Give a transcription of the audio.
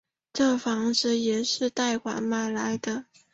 这房子也是贷款买来的